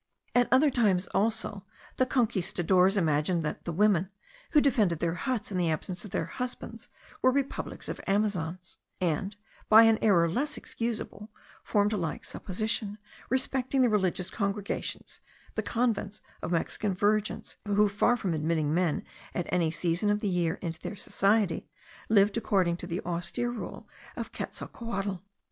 At other times also, the conquistadores imagined that the women, who defended their huts in the absence of their husbands, were republics of Amazons; and, by an error less excusable, formed a like supposition respecting the religious congregations, the convents of Mexican virgins, who, far from admitting men at any season of the year into their society, lived according to the austere rule of Quetzalcohuatl.